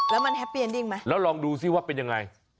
แล้วมันแฮปปียดิ้งไหมแล้วลองดูซิว่าเป็นยังไง